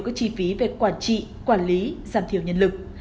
các chi phí về quản trị quản lý giảm thiểu nhân lực